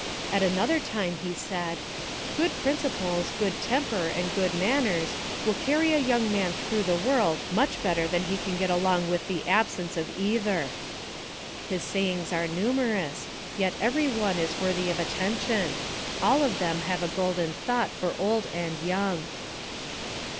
At another time he said: "Good principles, good temper, and good manners will carry a young man through the world much better than he can get along with the absence of either." His sayings are numerous, yet every one is worthy of attention; all of them have a golden thought for old and young.